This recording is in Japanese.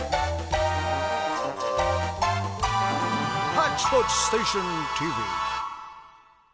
「ハッチポッチステーションＴＶ」。